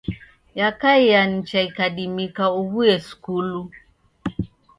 Yakaia nicha ikadimika uw'uye skulu.